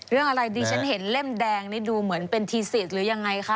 เรื่องอะไรดิฉันเห็นเล่มแดงนี่ดูเหมือนเป็นทีซีสหรือยังไงคะ